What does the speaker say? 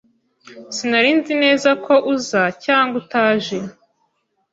Sinari nzi neza ko uza cyangwa utaje.